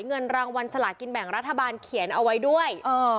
เงินรางวัลสลากินแบ่งรัฐบาลเขียนเอาไว้ด้วย